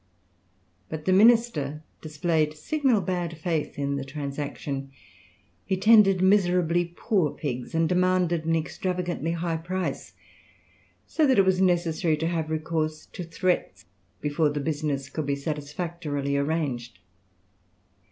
But the minister displayed signal bad faith in the transaction; he tendered miserably poor pigs, and demanded an extravagantly high price; so that it was necessary to have recourse to threats before the business could be satisfactorily arranged.